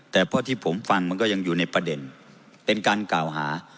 แต่เพราะที่ผมฟังมันก็ยังอยู่ในประเด็นเป็นการกล่าวหา